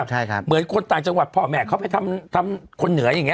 ใช่ครับเหมือนคนต่างจังหวัดพ่อแม่เขาไปทำคนเหนืออย่างนี้